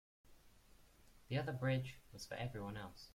The other bridge was for everyone else.